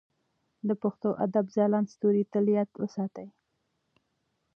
د پښتو ادب ځلانده ستوري تل یاد وساتئ.